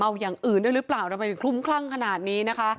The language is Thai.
เอาอย่างอื่นได้หรือเปล่าทำไมถึงคลุ้มคลั่งขนาดนี้นะคะ